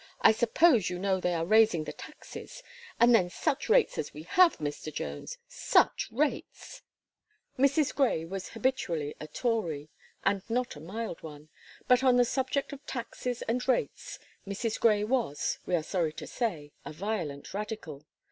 I suppose you know they are raising the taxes and then such rates as we have, Mr. Jones such rates!" Mrs. Gray was habitually a Tory, and not a mild one; but on the subject of taxes and rates, Mrs. Gray was, we are sorry to say, a violent radical.